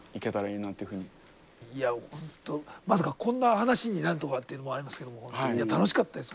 いや本当まさかこんな話になるとはっていうのもありますけども楽しかったです